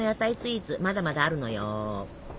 まだまだあるのよ。